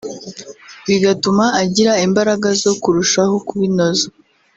bigatuma agira imbaraga zo kurushaho kubinoza